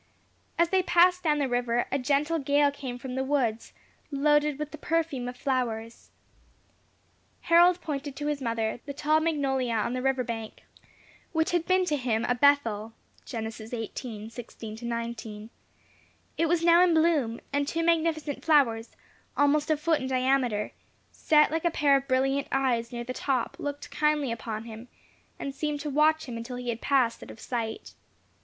As they passed down the river, a gentle gale came from the woods, loaded with the perfume of flowers. Harold pointed to his mother the tall magnolia on the river bank, which had been to him a Bethel (Gen. xviii. 16 19); it was now in bloom, and two magnificent flowers, almost a foot in diameter, set like a pair of brilliant eyes near the top, looked kindly upon him, and seemed to watch him until he had passed out of sight.